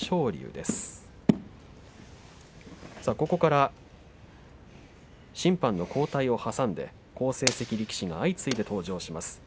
ここから審判の交代をはさんで好成績力士が相次いで登場します。